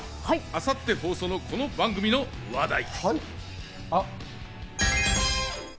明後日放送のこの番組の話題。